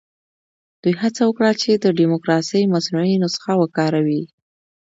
دوی هڅه وکړه چې د ډیموکراسۍ مصنوعي نسخه وکاروي.